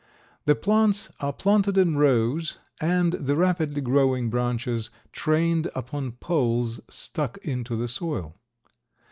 The plants are planted in rows and the rapidly growing branches trained upon poles stuck into the soil.